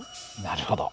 なるほど。